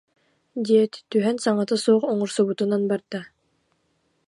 диэт, түһэн саҥата суох оҥорсубутунан барда